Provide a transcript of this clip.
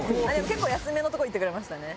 結構安めのとこ行ってくれましたね。